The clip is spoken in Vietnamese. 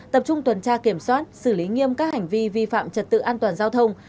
tập trung tuần tra kiểm soát xử lý nghiêm các hành vi vi phạm trật tự an toàn giao thông